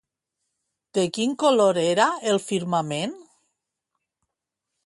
De quin color era el firmament?